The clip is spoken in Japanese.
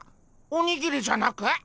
おにぎりじゃなく？